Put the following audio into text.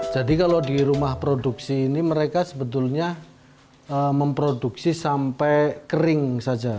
jadi kalau di rumah produksi ini mereka sebetulnya memproduksi sampai kering saja